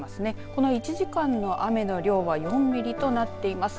この１時間の雨の量は４ミリとなっています。